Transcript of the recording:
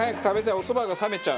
お蕎麦が冷めちゃう。